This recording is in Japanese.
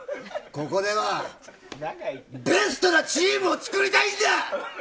ここではベストなチームを作りたいんだ！